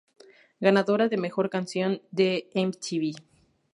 Ganadora de Mejor Canción de Mtv.